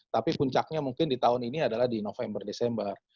tapi puncaknya mungkin di tahun ini adalah di november desember